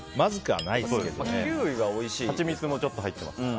ハチミツもちょっと入ってますから。